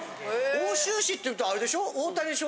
奥州市っていうとあれでしょ？